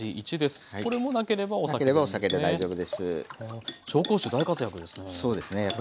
これもなければお酒でいいんですね。